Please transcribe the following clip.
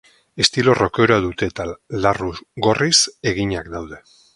Estilo rockeroa dute eta larru gorriz eginak daude.